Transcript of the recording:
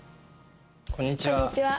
こんにちは。